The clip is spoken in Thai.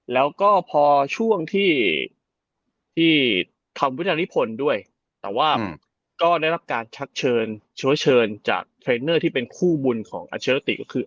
แล้วก็พอช่วงที่ทำวิทยานิพลด้วยแต่ว่าก็ได้รับการชักเชิญเชื้อเชิญจากเทรนเนอร์ที่เป็นคู่บุญของอัชรติก็คือ